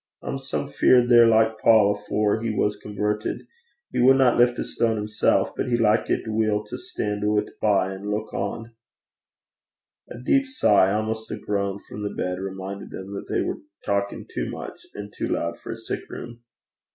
I'm some feared they're like Paul afore he was convertit: he wadna lift a stane himsel', but he likit weel to stan' oot by an' luik on.' A deep sigh, almost a groan, from the bed, reminded them that they were talking too much and too loud for a sick room.